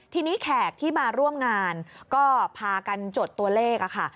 ทีนี้แขกที่มาร่วมงานก็พากันจดตัวเลขค่ะ